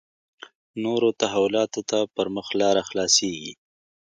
نورو تحولاتو پر مخ لاره خلاصېږي.